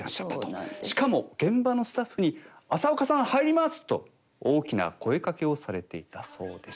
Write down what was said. しかも現場のスタッフに「浅丘さん入ります！」と大きな声かけをされていたそうです。